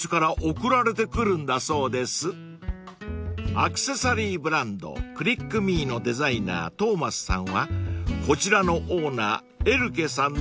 ［アクセサリーブランドクリックミーのデザイナートーマスさんはこちらのオーナーエルケさんのおい］